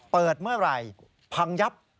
เปิดเมื่อไหร่พังยับ